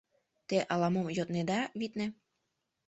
— Те ала-мом йоднеда, витне?